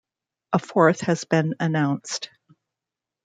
A fourth has been announced.